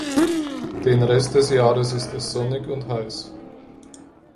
Den Rest des Jahres ist es sonnig und heiß.